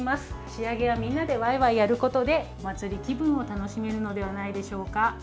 仕上げはみんなでワイワイやることでお祭り気分を楽しめるのではないでしょうか。